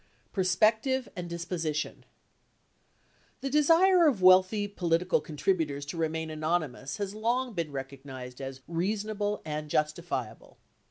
Perspective and Disposition The desire of wealthy political contributors to remain anonymous has been long recognized as reasonable and justifiable.